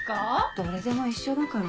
どれでも一緒だから。